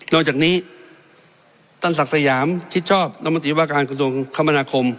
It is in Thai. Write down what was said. นอกจากนี้ต้นศักดิ์สยามชิดชอบนมติวิทยาลัยการคุณธรรมนาคม